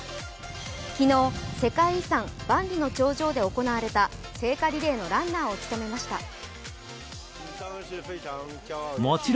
昨日、世界遺産・万里の長城で行われた聖火リレーのランナーを務めました。